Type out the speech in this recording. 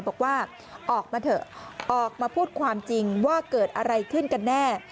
บอกว่าออกมาเถอะออกมาพูดความจริงว่าเกิดอะไรขึ้นกันแน่